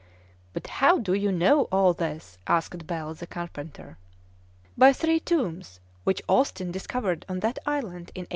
"But how do you know all this?" asked Bell, the carpenter. "By three tombs which Austin discovered on that island in 1850.